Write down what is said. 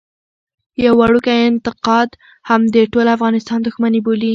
يو وړوکی انتقاد هم د ټول افغانستان دښمني بولي.